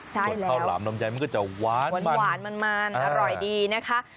ส่วนข้าวหลามลำไยมันก็จะหวานมันอร่อยดีนะคะ